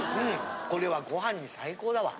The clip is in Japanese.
これはご飯に最高だわ。